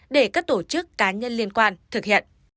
để các tổ chức cá nhân liên quan thực hiện